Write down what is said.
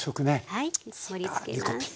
はい盛りつけます。